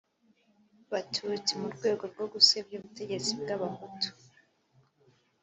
batutsi mu rwego rwo gusebya ubutegetsi bw'abahutu